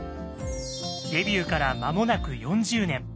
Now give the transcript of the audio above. デビューから間もなく４０年。